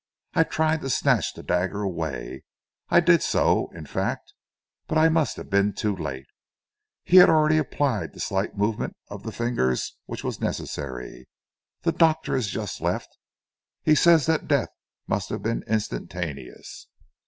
I tried to snatch the dagger away I did so, in fact but I must have been too late. He had already applied that slight movement of the fingers which was necessary. The doctor has just left. He says that death must have been instantaneous."